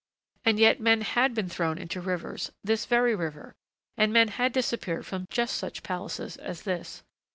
And yet men had been thrown into rivers this very river. And men had disappeared from just such palaces as this.